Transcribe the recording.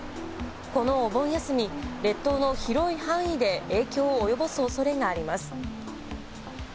このお盆休み、列島の広い範囲で影響を及ぼすおそれがあります。